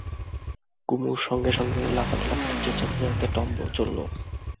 কুমুর সঙ্গে সঙ্গেই লাফাতে লাফাতে চেঁচাতে চেঁচাতে টম চলল।